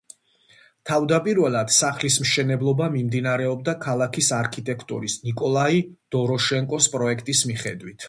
თავდაპირველად სახლის მშენებლობა მიმდინარეობდა ქალაქის არქიტექტორის ნიკოლაი დოროშენკოს პროექტის მიხედვით.